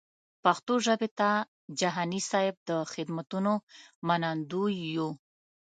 پښتو ژبې ته جهاني صېب د خدمتونو منندوی یو.